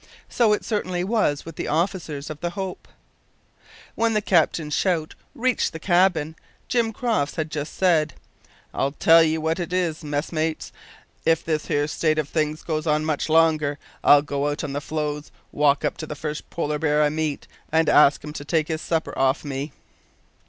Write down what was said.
So it certainly was with the officers of the Hope. When the captain's shout reached the cabin Jim Crofts had just said: "I'll tell 'ee what it is, messmates, if this here state of things goes on much longer, I'll go out on the floes, walk up to the first polar bear I meet, and ask him to take his supper off me!"